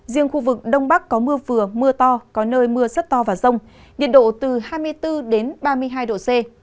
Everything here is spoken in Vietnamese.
riêng khu vực đông bắc có mưa vừa mưa to có nơi mưa rất to và rông nhiệt độ từ hai mươi bốn ba mươi hai độ c